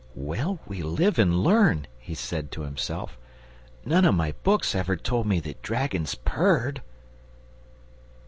"Well, we live and learn!" he said to himself. "None of my books ever told me that dragons purred!"